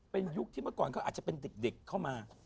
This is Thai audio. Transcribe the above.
เป็นยุคที่เมื่อก่อนเขาอาจจะเป็นเด็กเข้ามา